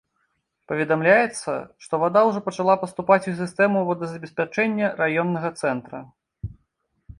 Паведамляецца, што вада ўжо пачала паступаць у сістэму водазабеспячэння раённага цэнтра.